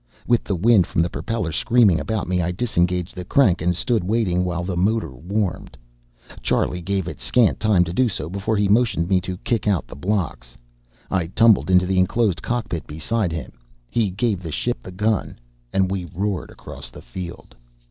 With the wind from the propeller screaming about me, I disengaged the crank and stood waiting while the motor warmed. Charlie gave it scant time to do so before he motioned me to kick out the blocks. I tumbled into the enclosed cockpit beside him, he gave the ship the gun, and we roared across the field.